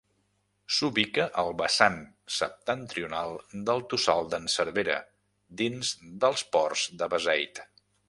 S'ubica al vessant septentrional del Tossal d'en Cervera, dins dels Ports de Beseit.